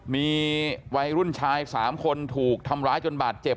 มีวัยรุ่นชาย๓คนถูกทำร้ายจนบาดเจ็บ